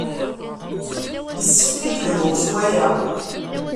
Yessefk ad d-lhuɣ s waya.